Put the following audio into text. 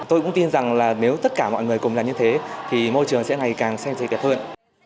tôi cũng tin rằng là nếu tất cả mọi người cùng làm như thế thì môi trường sẽ ngày càng xanh gì đẹp hơn